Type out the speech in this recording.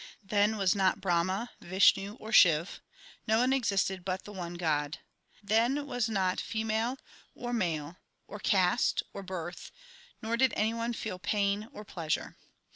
Then was not Brahma, Vishnu, or Shiv ; No one existed but the One God. Then was not female, or male, or caste, or birth ; nor did any one feel pain or pleasure.